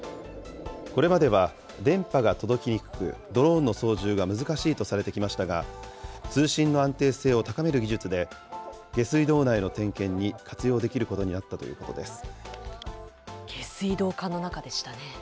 これまでは電波が届きにくく、ドローンの操縦が難しいとされてきましたが、通信の安定性を高める技術で、下水道内の点検に活用できることになったというこ下水道管の中でしたね。